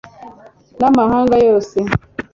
n'amahanga yose